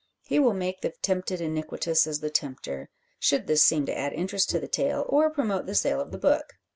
He will make the tempted iniquitous as the tempter, should this seem to add interest to the tale, or promote the sale of the book.